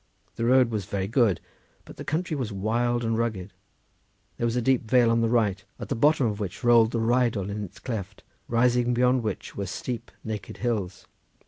The road was very good, but the country was wild and rugged; there was a deep vale on the right, at the bottom of which rolled the Rheidol in its cleft, rising beyond which were steep, naked hills.